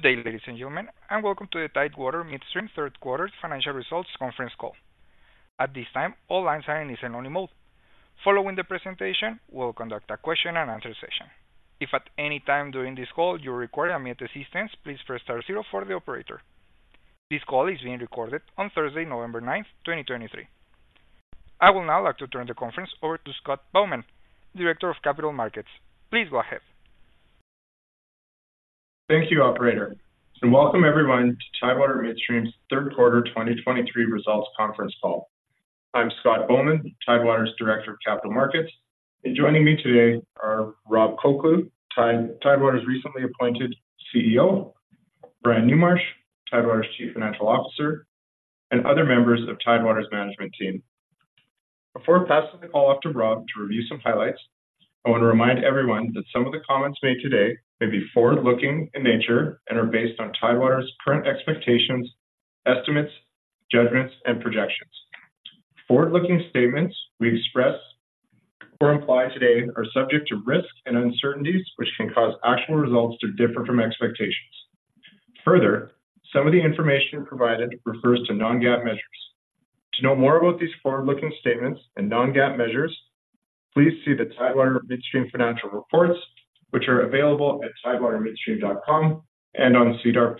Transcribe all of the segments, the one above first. Good day, ladies and gentlemen, and welcome to the Tidewater Midstream third quarter financial results conference call. At this time, all lines are in a listen-only mode. Following the presentation, we'll conduct a question and answer session. If at any time during this call you require immediate assistance, please press star zero for the operator. This call is being recorded on Thursday, November 9th, 2023. I will now like to turn the conference over to Scott Bauman, Director of Capital Markets. Please go ahead. Thank you, operator, and welcome everyone to Tidewater Midstream's third quarter 2023 results conference call. I'm Scott Bauman, Tidewater's Director of Capital Markets, and joining me today are Rob Colcleugh, Tidewater's recently appointed CEO, Brian Newmarch, Tidewater's Chief Financial Officer, and other members of Tidewater's management team. Before passing the call off to Rob to review some highlights, I want to remind everyone that some of the comments made today may be forward-looking in nature and are based on Tidewater's current expectations, estimates, judgments, and projections. Forward-looking statements we express or imply today are subject to risks and uncertainties, which can cause actual results to differ from expectations. Further, some of the information provided refers to non-GAAP measures. To know more about these forward-looking statements and non-GAAP measures, please see the Tidewater Midstream financial reports, which are available at tidewatermidstream.com and on SEDAR+.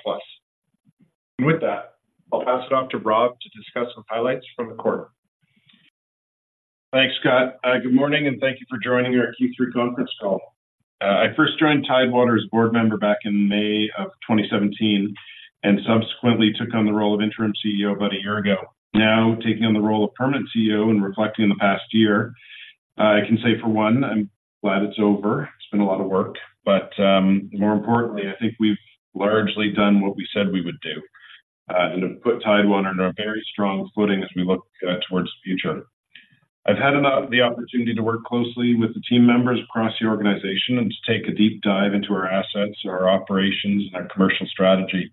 With that, I'll pass it off to Rob to discuss some highlights from the quarter. Thanks, Scott. Good morning, and thank you for joining our Q3 conference call. I first joined Tidewater's board member back in May of 2017 and subsequently took on the role of interim CEO about a year ago. Now, taking on the role of permanent CEO and reflecting on the past year, I can say, for one, I'm glad it's over. It's been a lot of work, but, more importantly, I think we've largely done what we said we would do, and have put Tidewater in a very strong footing as we look, towards the future. I've had the opportunity to work closely with the team members across the organization and to take a deep dive into our assets, our operations, and our commercial strategy.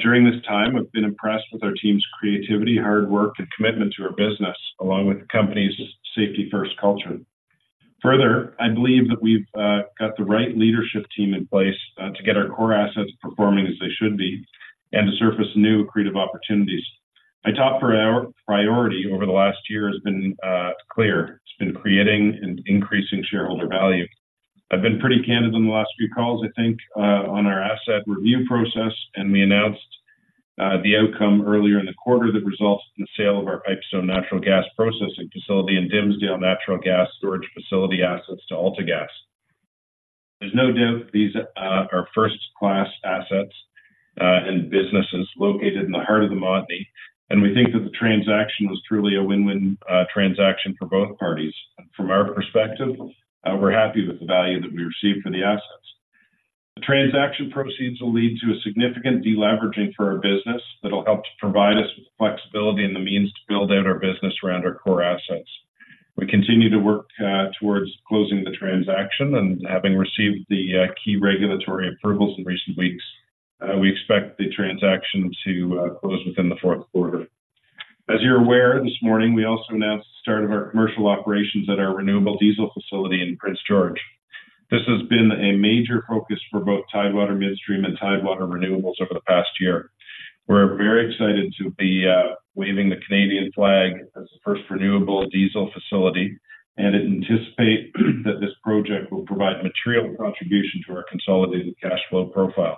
During this time, I've been impressed with our team's creativity, hard work, and commitment to our business, along with the company's safety-first culture. Further, I believe that we've got the right leadership team in place to get our core assets performing as they should be and to surface new creative opportunities. My top priority over the last year has been clear. It's been creating and increasing shareholder value. I've been pretty candid on the last few calls, I think, on our asset review process, and we announced the outcome earlier in the quarter that results in the sale of our Pipestone natural gas processing facility and Dimsdale natural gas storage facility assets to AltaGas. There's no doubt these are first-class assets and businesses located in the heart of the Montney, and we think that the transaction was truly a win-win transaction for both parties. From our perspective, we're happy with the value that we received for the assets. The transaction proceeds will lead to a significant deleveraging for our business that'll help to provide us with flexibility and the means to build out our business around our core assets. We continue to work towards closing the transaction, and having received the key regulatory approvals in recent weeks, we expect the transaction to close within the fourth quarter. As you're aware, this morning, we also announced the start of our commercial operations at our renewable diesel facility in Prince George. This has been a major focus for both Tidewater Midstream and Tidewater Renewables over the past year. We're very excited to be waving the Canadian flag as the first renewable diesel facility, and I anticipate that this project will provide material contribution to our consolidated cash flow profile.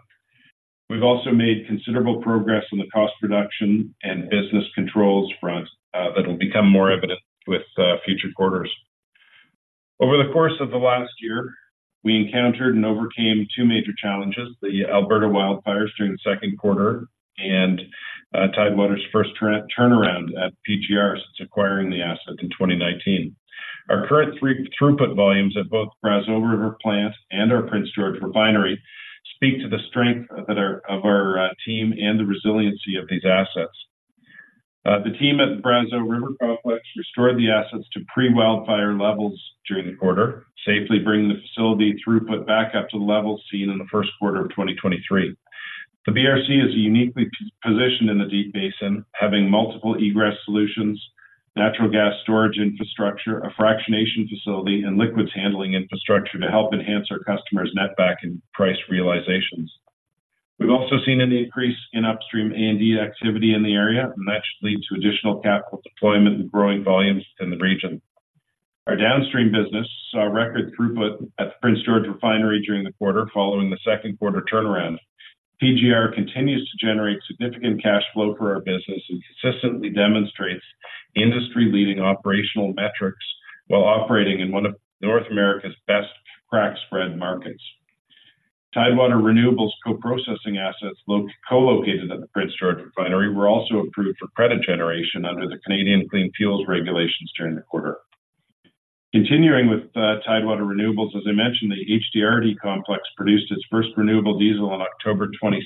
We've also made considerable progress on the cost reduction and business controls front that will become more evident with future quarters. Over the course of the last year, we encountered and overcame two major challenges: the Alberta wildfires during the second quarter and Tidewater's first turnaround at PGR since acquiring the asset in 2019. Our current throughput volumes at both Brazeau River Plant and our Prince George Refinery speak to the strength of our team and the resiliency of these assets. The team at the Brazeau River Complex restored the assets to pre-wildfire levels during the quarter, safely bringing the facility throughput back up to the levels seen in the first quarter of 2023. The BRC is uniquely positioned in the Deep Basin, having multiple egress solutions, natural gas storage infrastructure, a fractionation facility, and liquids handling infrastructure to help enhance our customers' netback and price realizations. We've also seen an increase in upstream A&D activity in the area, and that should lead to additional capital deployment and growing volumes in the region. Our downstream business saw a record throughput at the Prince George Refinery during the quarter following the second quarter turnaround. PGR continues to generate significant cash flow for our business and consistently demonstrates industry-leading operational metrics while operating in one of North America's best crack spread markets. Tidewater Renewables co-processing assets co-located at the Prince George Refinery were also approved for credit generation under the Canadian Clean Fuel Regulations during the quarter. Continuing with Tidewater Renewables, as I mentioned, the HDRD Complex produced its first renewable diesel on October 22,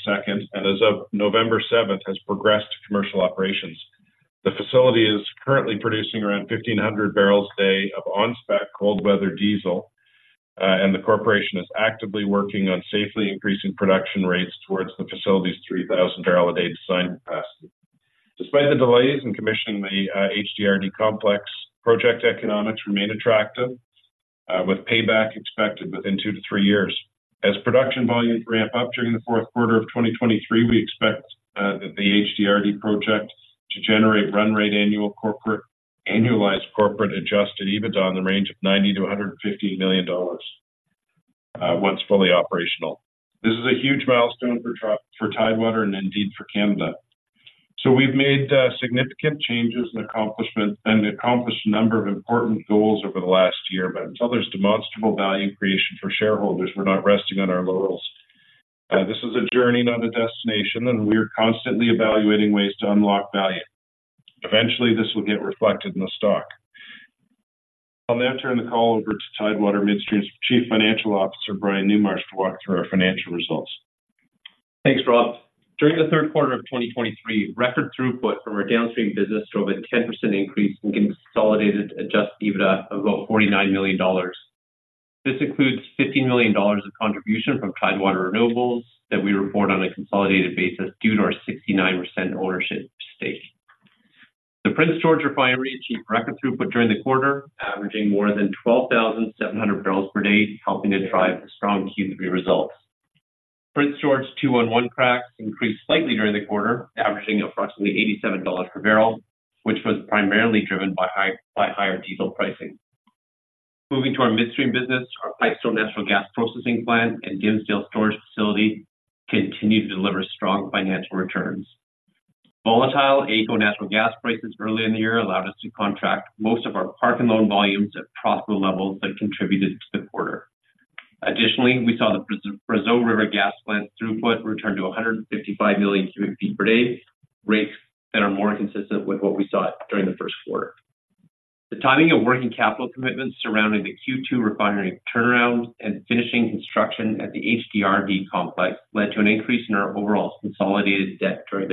and as of November 7, has progressed to commercial operations. The facility is currently producing around 1,500 barrels a day of on spec cold weather diesel, and the corporation is actively working on safely increasing production rates towards the facility's 3,000 barrel a day design capacity. Despite the delays in commission, the HDRD Complex project economics remain attractive, with payback expected within 2-3 years. As production volumes ramp up during the fourth quarter of 2023, we expect that the HDRD project to generate run rate annualized corporate adjusted EBITDA in the range of 90 million-150 million dollars once fully operational. This is a huge milestone for Tidewater and indeed for Canada. So we've made significant changes and accomplishment, and accomplished a number of important goals over the last year. But until there's demonstrable value creation for shareholders, we're not resting on our laurels. This is a journey, not a destination, and we're constantly evaluating ways to unlock value. Eventually, this will get reflected in the stock. I'll now turn the call over to Tidewater Midstream's Chief Financial Officer, Brian Newmarch, to walk through our financial results. Thanks, Rob. During the third quarter of 2023, record throughput from our downstream business drove a 10% increase in consolidated Adjusted EBITDA of about 49 million dollars. This includes 15 million dollars of contribution from Tidewater Renewables that we report on a consolidated basis due to our 69% ownership stake. The Prince George Refinery achieved record throughput during the quarter, averaging more than 12,700 barrels per day, helping to drive the strong Q3 results. Prince George 2-1-1 cracks increased slightly during the quarter, averaging approximately 87 dollars per barrel, which was primarily driven by higher diesel pricing. Moving to our midstream business, our Pipestone natural gas processing plant and Dimsdale storage facility continued to deliver strong financial returns. Volatile AECO natural gas prices early in the year allowed us to contract most of our park and loan volumes at profitable levels that contributed to the quarter. Additionally, we saw the Brazeau River Gas Plant throughput return to 155 million cubic feet per day, rates that are more consistent with what we saw during the first quarter. The timing of working capital commitments surrounding the Q2 refinery turnaround and finishing construction at the HDRD complex led to an increase in our overall consolidated debt during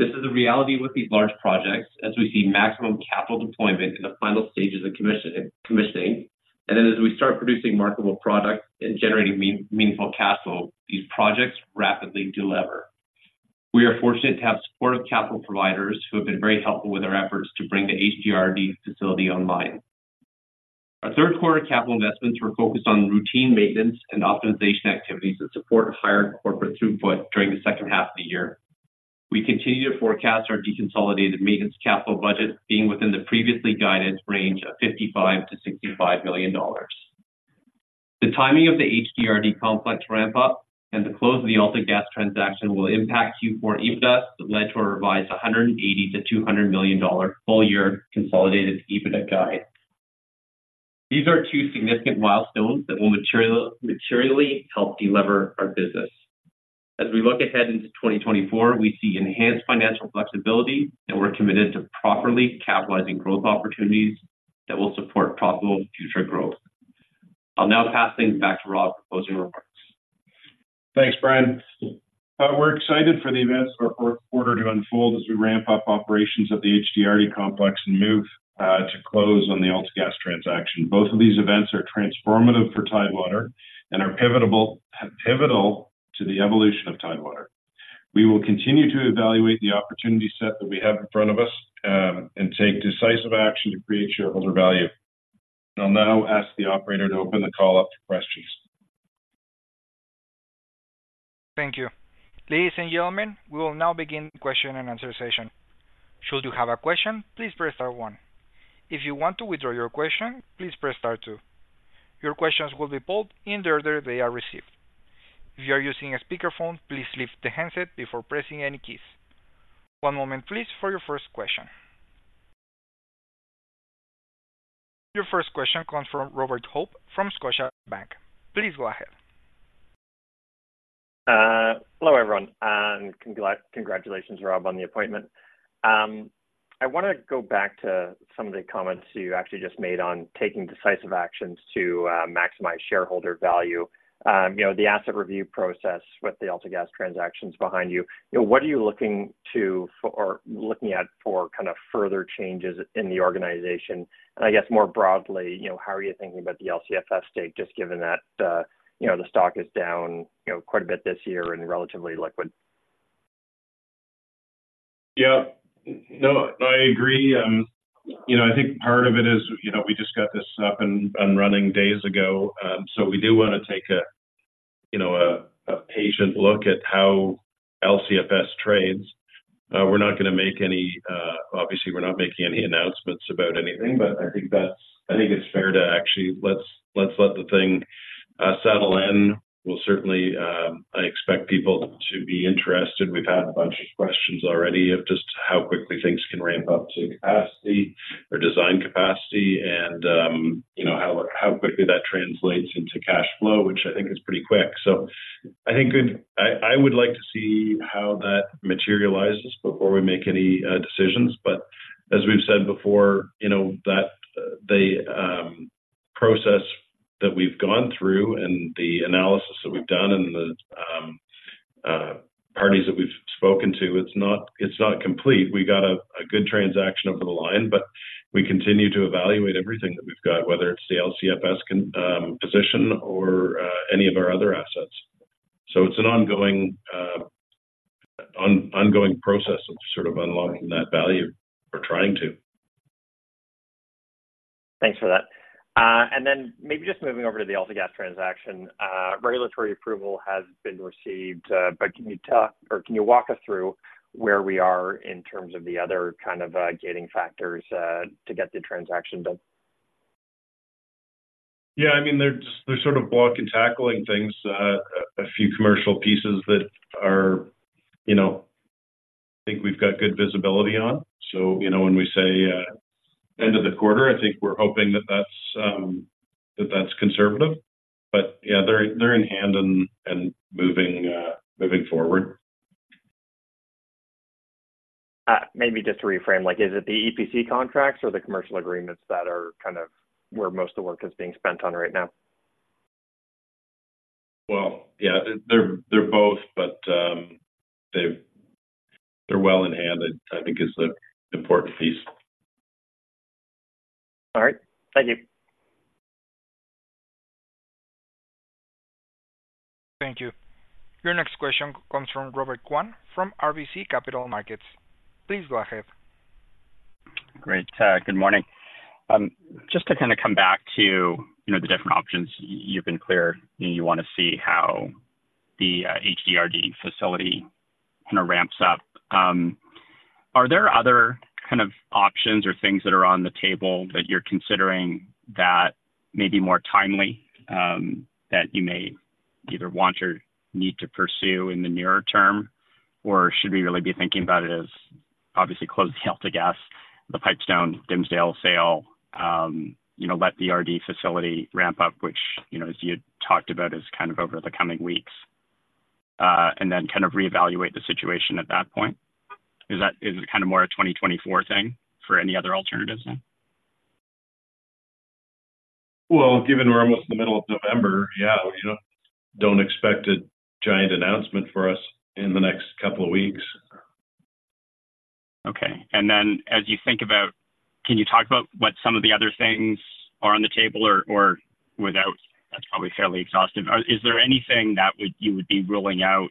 the quarter. This is a reality with these large projects, as we see maximum capital deployment in the final stages of commission, commissioning, and then as we start producing marketable products and generating meaningful capital, these projects rapidly delever. We are fortunate to have supportive capital providers who have been very helpful with our efforts to bring the HDRD facility online. Our third quarter capital investments were focused on routine maintenance and optimization activities that support higher corporate throughput during the second half of the year. We continue to forecast our deconsolidated maintenance capital budget being within the previously guided range of 55-65 million dollars. The timing of the HDRD complex ramp-up and the close of the AltaGas transaction will impact Q4 EBITDA that led to a revised 180-200 million dollar full-year consolidated EBITDA guide. These are two significant milestones that will materially help delever our business. As we look ahead into 2024, we see enhanced financial flexibility, and we're committed to properly capitalizing growth opportunities that will support profitable future growth. I'll now pass things back to Rob for closing remarks. Thanks, Brian. We're excited for the events for our fourth quarter to unfold as we ramp up operations at the HDRD Complex and move to close on the AltaGas transaction. Both of these events are transformative for Tidewater and are pivotable, pivotal to the evolution of Tidewater. We will continue to evaluate the opportunity set that we have in front of us, and take decisive action to create shareholder value. I'll now ask the operator to open the call up to questions. Thank you. Ladies and gentlemen, we will now begin the question and answer session. Should you have a question, please press star one. If you want to withdraw your question, please press star two. Your questions will be pulled in the order they are received. If you are using a speakerphone, please lift the handset before pressing any keys. One moment, please, for your first question. Your first question comes from Robert Hope, from Scotiabank. Please go ahead. Hello, everyone, and congratulations, Rob, on the appointment. I wanted to go back to some of the comments you actually just made on taking decisive actions to maximize shareholder value. You know, the asset review process with the AltaGas transaction is behind you. You know, what are you looking to or looking at for kind of further changes in the organization? And I guess, more broadly, you know, how are you thinking about the LCFS stake, just given that, you know, the stock is down, you know, quite a bit this year and relatively liquid? Yeah. No, I agree. You know, I think part of it is, you know, we just got this up and running days ago, so we do wanna take a, you know, a patient look at how LCFS trades. We're not gonna make any. Obviously, we're not making any announcements about anything, but I think that's- I think it's fair to actually, let's let the thing settle in. We'll certainly, I expect people to be interested. We've had a bunch of questions already of just how quickly things can ramp up to capacity or design capacity and, you know, how quickly that translates into cash flow, which I think is pretty quick. So I think I would like to see how that materializes before we make any decisions. But as we've said before, you know, that the process that we've gone through and the analysis that we've done and the parties that we've spoken to, it's not, it's not complete. We got a good transaction over the line, but we continue to evaluate everything that we've got, whether it's the LCFS position or any of our other assets. So it's an ongoing process of sort of unlocking that value or trying to. Thanks for that. And then maybe just moving over to the AltaGas transaction. Regulatory approval has been received, but can you talk or can you walk us through where we are in terms of the other kind of gating factors to get the transaction done? Yeah, I mean, they're just, they're sort of block and tackling things. A few commercial pieces that are, you know, I think we've got good visibility on. So, you know, when we say end of the quarter, I think we're hoping that that's that that's conservative. But yeah, they're, they're in hand and, and moving moving forward. Maybe just to reframe, like, is it the EPC contracts or the commercial agreements that are kind of where most of the work is being spent on right now? Well, yeah, they're both, but they're well in hand, I think is the important piece All right. Thank you. Thank you. Your next question comes from Robert Kwan, from RBC Capital Markets. Please go ahead. Great. Good morning. Just to kind of come back to, you know, the different options. You've been clear, you want to see how the HDRD facility kind of ramps up. Are there other kind of options or things that are on the table that you're considering that may be more timely, that you may either want or need to pursue in the nearer term? Or should we really be thinking about it as obviously closing out the gas, the Pipestone Dimsdale sale, you know, let the RD facility ramp up, which, you know, as you talked about, is kind of over the coming weeks, and then kind of reevaluate the situation at that point? Is that, is it kind of more a 2024 thing for any other alternatives now? Well, given we're almost in the middle of November, yeah, you know, don't expect a giant announcement for us in the next couple of weeks. Okay. And then as you think about. Can you talk about what some of the other things are on the table or, or without? That's probably fairly exhaustive. Is there anything that would you would be ruling out,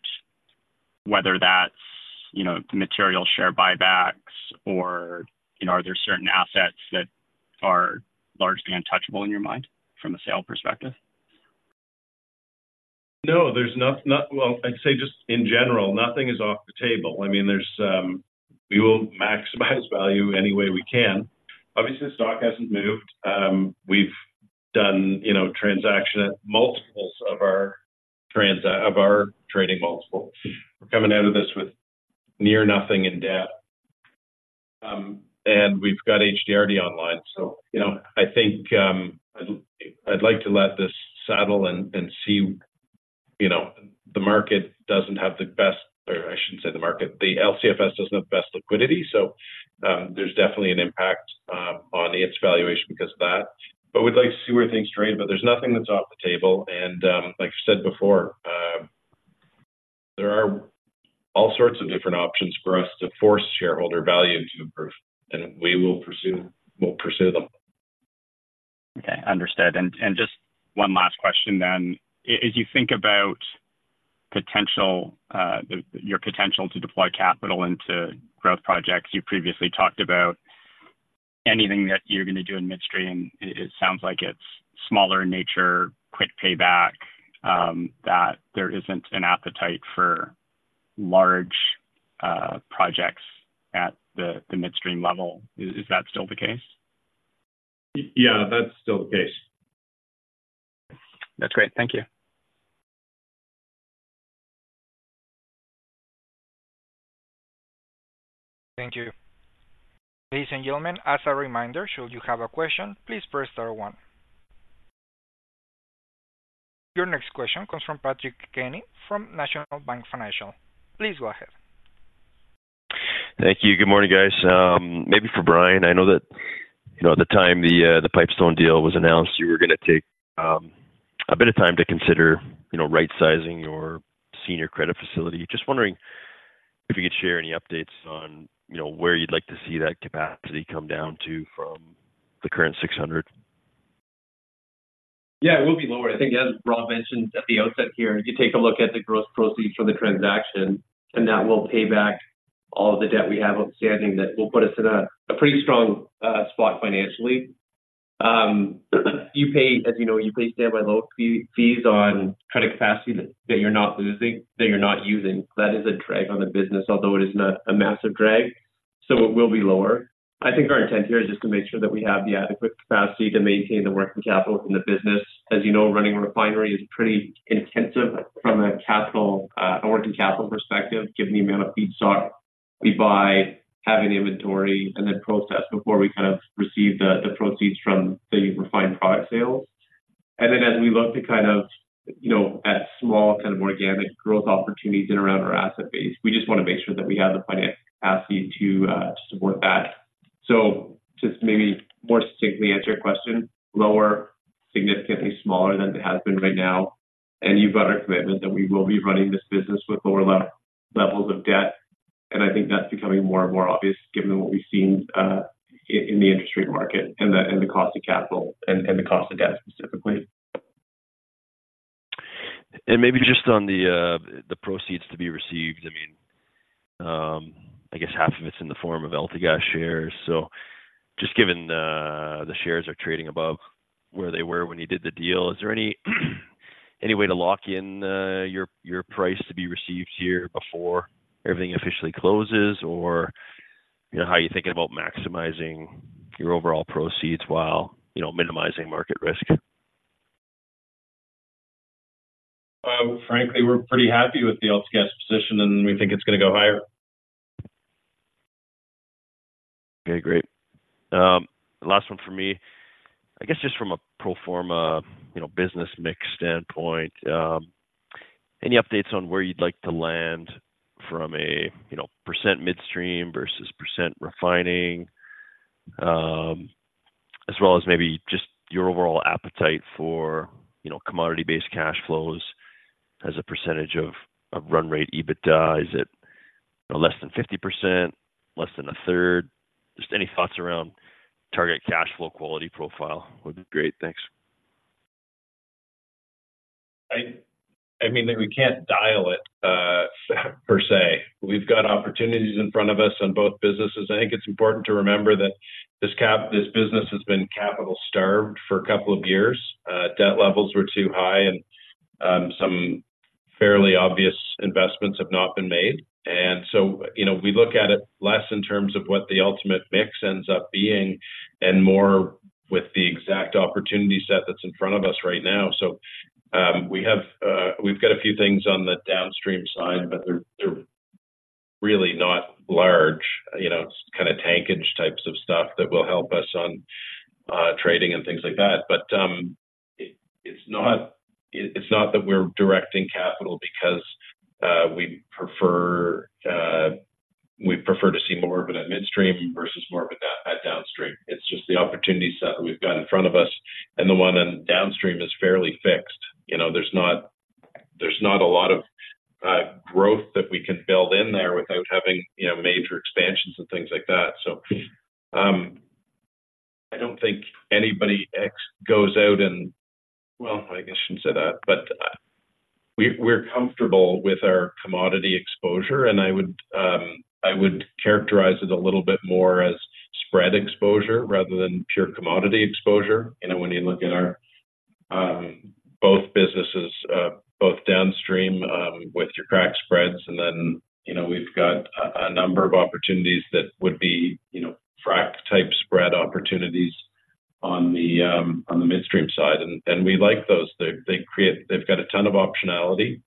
whether that's, you know, material share buybacks or, you know, are there certain assets that are largely untouchable in your mind from a sale perspective? No, there's not. Well, I'd say just in general, nothing is off the table. I mean, there's, we will maximize value any way we can. Obviously, the stock hasn't moved. We've done, you know, transaction at multiples of our transa- of our trading multiples. We're coming out of this with near nothing in debt. And we've got HDRD online, so you know, I think, I'd like to let this settle and see. You know, the market doesn't have the best, or I shouldn't say the market, the LCFS doesn't have the best liquidity, so, there's definitely an impact on its valuation because of that. But we'd like to see where things trade, but there's nothing that's off the table. Like you said before, there are all sorts of different options for us to force shareholder value to improve, and we will pursue, we'll pursue them. Okay, understood. And just one last question then. As you think about potential, the, your potential to deploy capital into growth projects, you previously talked about anything that you're gonna do in midstream, it sounds like it's smaller in nature, quick payback, that there isn't an appetite for large projects at the midstream level. Is that still the case? Yeah, that's still the case. That's great. Thank you. Thank you. Ladies and gentlemen, as a reminder, should you have a question, please press star one. Your next question comes from Patrick Kenny, from National Bank Financial. Please go ahead. Thank you. Good morning, guys. Maybe for Brian, I know that, you know, at the time the Pipestone deal was announced, you were gonna take a bit of time to consider, you know, right-sizing your senior credit facility. Just wondering if you could share any updates on, you know, where you'd like to see that capacity come down to from the current 600. Yeah, it will be lower. I think, as Rob mentioned at the outset here, if you take a look at the gross proceeds from the transaction, and that will pay back all the debt we have outstanding, that will put us in a pretty strong spot financially. You pay, as you know, you pay standby loan fees on credit capacity that you're not using. That is a drag on the business, although it is not a massive drag, so it will be lower. I think our intent here is just to make sure that we have the adequate capacity to maintain the working capital in the business. As you know, running a refinery is pretty intensive from a capital, a working capital perspective, given the amount of feedstock we buy, having inventory and then process before we kind of receive the proceeds from the refined product sales. And then as we look to kind of, you know, at small, kind of, organic growth opportunities in around our asset base, we just want to make sure that we have the financial capacity to, to support that. So just maybe more succinctly answer your question, lower, significantly smaller than it has been right now, and you've got our commitment that we will be running this business with lower levels of debt. And I think that's becoming more and more obvious given what we've seen, in the industry market and the cost of capital and the cost of debt, specifically. And maybe just on the proceeds to be received, I mean, I guess half of it's in the form of AltaGas shares. So just given the shares are trading above where they were when you did the deal, is there any way to lock in your price to be received here before everything officially closes? Or, you know, how are you thinking about maximizing your overall proceeds while, you know, minimizing market risk? Well, frankly, we're pretty happy with the LCFS position, and we think it's gonna go higher. Okay, great. Last one for me. I guess just from a pro forma, you know, business mix standpoint, any updates on where you'd like to land from a, you know, percent midstream versus percent refining? As well as maybe just your overall appetite for, you know, commodity-based cash flows as a percentage of run rate EBITDA. Is it less than 50%, less than a third? Just any thoughts around target cash flow quality profile would be great. Thanks. I mean, we can't dial it, per se. We've got opportunities in front of us on both businesses. I think it's important to remember that this business has been capital-starved for a couple of years. Debt levels were too high, and some fairly obvious investments have not been made. And so, you know, we look at it less in terms of what the ultimate mix ends up being and more with the exact opportunity set that's in front of us right now. So, we have, we've got a few things on the downstream side, but they're really not large. You know, it's kind of tankage types of stuff that will help us on trading and things like that. But, it's not that we're directing capital because we prefer to see more of it at midstream versus more of it at downstream. It's just the opportunity set that we've got in front of us, and the one in downstream is fairly fixed. You know, there's not a lot of growth that we can build in there without having, you know, major expansions and things like that. So, I don't think anybody goes out and. Well, I guess I shouldn't say that, but, we're comfortable with our commodity exposure, and I would characterize it a little bit more as spread exposure rather than pure commodity exposure. You know, when you look at our both businesses, both downstream, with your crack spreads, and then, you know, we've got a number of opportunities that would be, you know, frack-type spread opportunities on the midstream side, and we like those. They create. They've got a ton of optionality.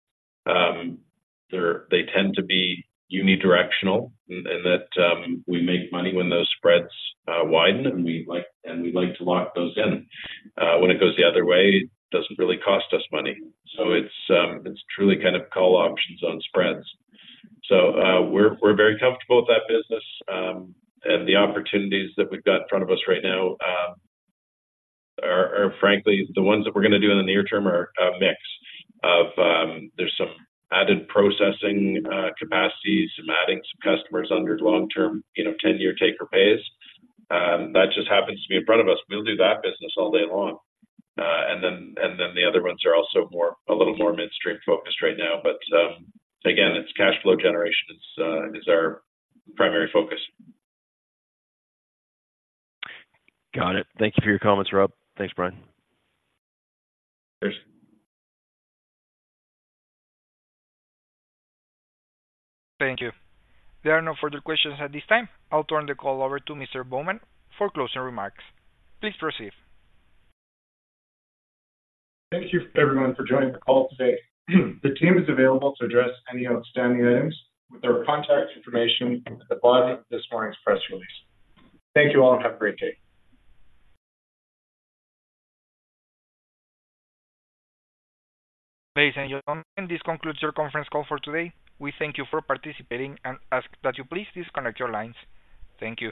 They're. They tend to be unidirectional in that we make money when those spreads widen, and we like to lock those in. When it goes the other way, it doesn't really cost us money. So it's truly kind of call options on spreads. So, we're very comfortable with that business. And the opportunities that we've got in front of us right now are frankly the ones that we're gonna do in the near term are a mix of. There's some added processing capacities and adding some customers under long-term, you know, 10-year take or pays. That just happens to be in front of us. We'll do that business all day long. And then the other ones are also a little more midstream focused right now. But again, it's cash flow generation is our primary focus. Got it. Thank you for your comments, Rob. Thanks, Brian. Cheers. Thank you. There are no further questions at this time. I'll turn the call over to Mr. Bauman for closing remarks. Please proceed. Thank you, everyone, for joining the call today. The team is available to address any outstanding items with our contact information at the bottom of this morning's press release. Thank you all, and have a great day. Ladies and gentlemen, this concludes your conference call for today. We thank you for participating and ask that you please disconnect your lines. Thank you.